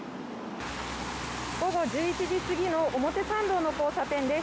午後１１時過ぎの表参道の交差点です。